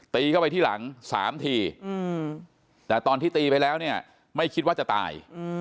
เข้าไปที่หลัง๓ทีแต่ตอนที่ตีไปแล้วเนี่ยไม่คิดว่าจะตาย